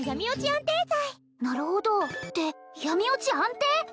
安定剤なるほどって闇堕ち安定！？